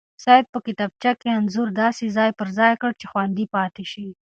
سعید په کتابچه کې انځور داسې ځای پر ځای کړ چې خوندي پاتې شي.